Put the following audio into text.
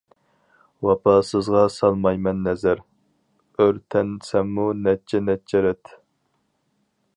ۋاپاسىزغا سالمايمەن نەزەر، ئۆرتەنسەممۇ نەچچە-نەچچە رەت.